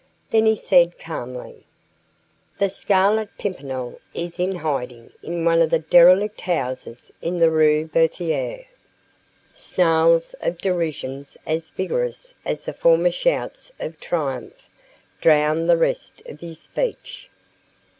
Then he said calmly: "The Scarlet Pimpernel is in hiding in one of the derelict houses in the Rue Berthier." Snarls of derision as vigorous as the former shouts of triumph drowned the rest of his speech.